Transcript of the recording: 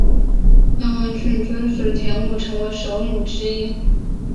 张文庆追随田五成为首领之一。